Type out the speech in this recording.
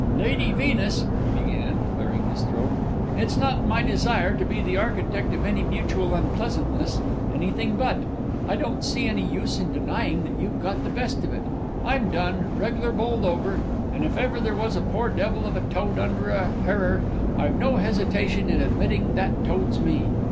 "Lady Venus," he began, clearing his throat, "it's not my desire to be the architect of any mutual unpleasantness anything but! I don't see any use in denying that you've got the best of it. I'm done reg'lar bowled over; and if ever there was a poor devil of a toad under a harrer, I've no hesitation in admitting that toad's me!